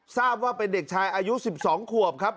ทราบว่าเป็นเด็กชายอายุ๑๒ขวบครับ